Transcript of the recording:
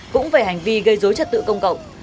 cũng về hành vi gây dối trật tự công cộng